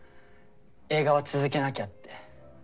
映画は続けなきゃって。